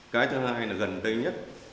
cái thứ hai là gần đây nhất